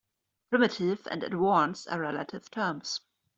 "Primitive" and "advanced" are relative terms.